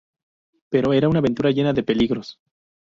Pero era una aventura llena de peligros.